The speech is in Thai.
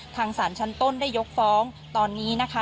ทางศาลชั้นต้นได้ยกฟ้องตอนนี้นะคะ